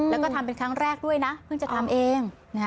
แล้วก็ทำเป็นครั้งแรกด้วยนะเพิ่งจะทำเอง